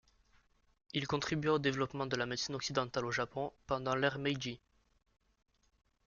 Il contribua au développement de la médecine occidentale au Japon pendant l'ère Meiji.